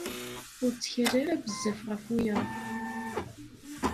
Ur ttkal ara bezzaf ɣef wiyaḍ.